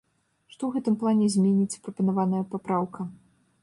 Што ў гэтым плане зменіць прапанаваная папраўка?